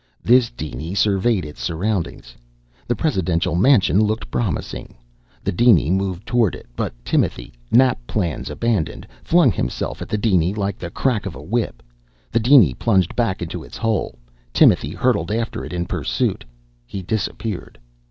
This diny surveyed its surroundings. The presidential mansion looked promising. The diny moved toward it. But Timothy nap plans abandoned flung himself at the diny like the crack of a whip. The diny plunged back into its hole. Timothy hurtled after it in pursuit. He disappeared.